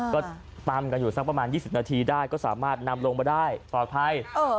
ก็ตำกันอยู่สักประมาณ๒๐นาทีได้ก็สามารถนำลงมาได้ปลอดภัย